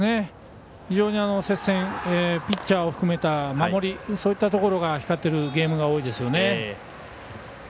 非常に接戦ピッチャーを含めた守り、そういったところが光ってるゲームが多いですよね。